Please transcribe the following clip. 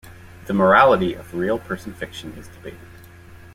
The morality of real person fiction is debated.